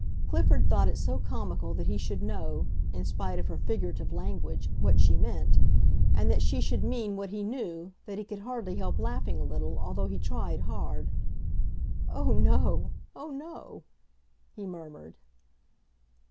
Clifford thought it so comical that he should know—in spite of her figurative language—what she meant, and that she should mean what he knew, that he could hardly help laughing a little, although he tried hard. "Oh, no! oh, no!" he murmured.